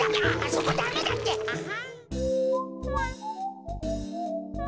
そこダメだってアハ。